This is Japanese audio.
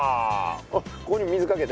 おっここにも水かけて。